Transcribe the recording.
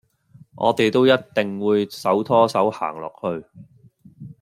我地都一定會手拖手行落去